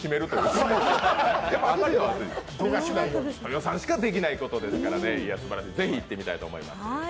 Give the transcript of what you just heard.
とよさんしかできないことですから、ぜひ行っていただきたいと思います。